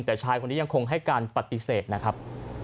แต่ชายคนนี้ยังคงให้การปฏิเสธนะครับ